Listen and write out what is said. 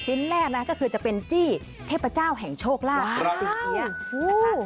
ชิ้นแรกก็คือจะเป็นจี้เทพเจ้าแห่งโชกราศกี่เซีย